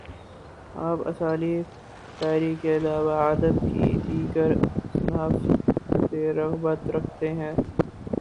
آپ اسالیبِ شعری کے علاوہ ادب کی دیگر اصناف سے رغبت رکھتے ہیں